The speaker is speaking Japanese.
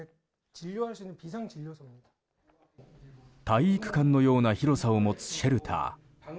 体育館のような広さを持つシェルター。